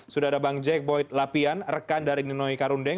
sudah ada bang jack boyd lapian rekan dari nino ika rundeng